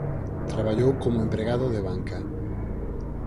Traballou como empregado de banca.